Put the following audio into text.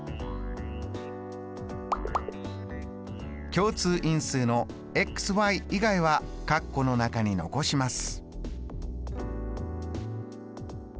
共通因数の以外は括弧の中に残します。